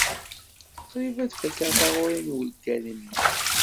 Qrib ad fakeɣ taɣuri n wungal-nni.